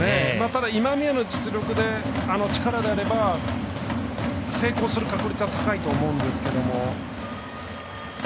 ただ、今宮の力であれば成功する確率は高いと思うんですけど。